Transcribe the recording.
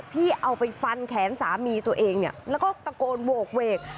ที่เอาไปฟันแขนสามีตัวเองเนี่ยแล้วก็ตะโกนโหกเวก